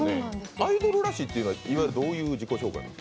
アイドルらしいというのはいわゆるどういう自己紹介？